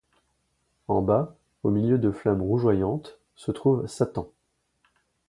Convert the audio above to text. En bas, au milieu de flammes rougeoyantes, se trouve Satan.